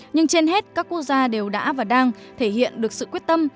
nhưng trên hết các quốc gia đều đã và đang thể hiện được sự quyết tâm